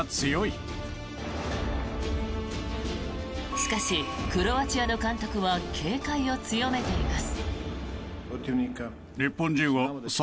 しかし、クロアチアの監督は警戒を強めています。